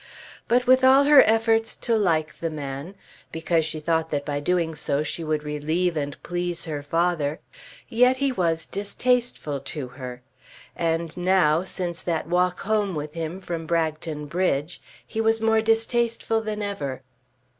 But with all her efforts to like the man, because she thought that by doing so she would relieve and please her father, yet he was distasteful to her; and now, since that walk home with him from Bragton Bridge, he was more distasteful than ever.